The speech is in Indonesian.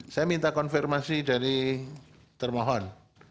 saya minta konfirmasi dari termohon